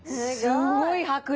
すごい迫力！